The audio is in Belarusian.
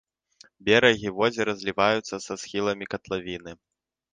Берагі возера зліваюцца са схіламі катлавіны.